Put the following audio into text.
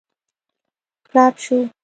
کړپ شو.